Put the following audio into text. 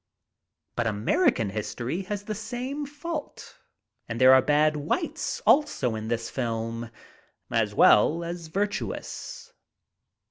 But American history has the same fault and there are bad whites also in this film as well as virtuous.